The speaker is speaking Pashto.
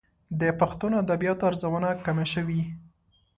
د پښتو ادبياتو ارزونه کمه شوې.